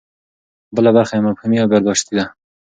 بله برخه یې مفهومي او برداشتي ده.